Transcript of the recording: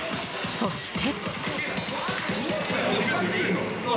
そして。